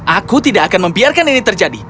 aku tidak akan membiarkan ini terjadi